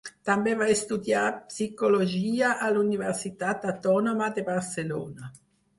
També va estudiar psicologia a la Universitat Autònoma de Barcelona.